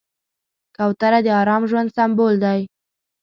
کوتره د ارام ژوند سمبول دی.